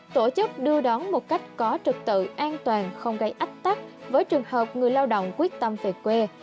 tổ chức đưa đón một cách có trực tự an toàn không gây ách tắc với trường hợp người lao động quyết tâm về quê